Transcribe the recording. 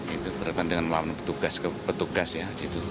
itu berkaitan dengan melawan petugas ke petugas ya